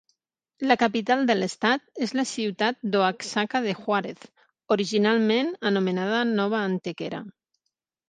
La capital de l'estat és la ciutat d'Oaxaca de Juárez, originalment anomenada Nova Antequera.